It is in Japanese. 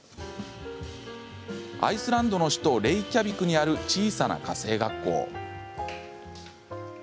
アイスランドの首都レイキャビクにある小さな家政学校。